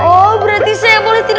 oh berarti saya boleh tidur lagi